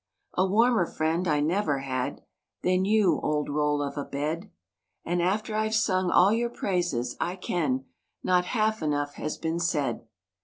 A warmer friend I never had Than you! old roll of a bed, And after I've sung all your praises I can, Not half enough has been said.